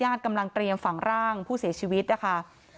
กำลังเตรียมฝังร่างผู้เสียชีวิตนะคะ